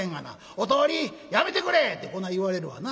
『お通り！やめてくれ！』ってこない言われるわな。